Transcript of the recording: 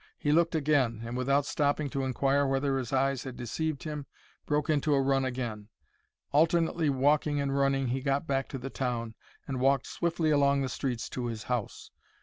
He looked again, and, without stopping to inquire whether his eyes had deceived him, broke into a run again. Alternately walking and running, he got back to the town, and walked swiftly along the streets to his house.